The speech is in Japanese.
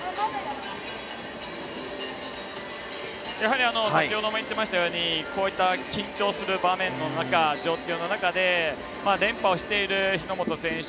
やはり先ほども言ってましたようにこういった緊張する状況の中で連覇をしている日本選手